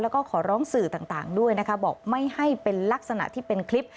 แล้วก็ขอร้องสื่อต่างด้วยนะคะบอกไม่ให้เป็นลักษณะที่เป็นคลิป